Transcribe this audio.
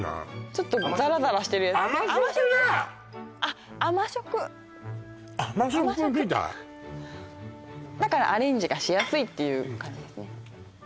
ちょっとザラザラしてるあっ甘食甘食みたいだからアレンジがしやすいっていう感じですね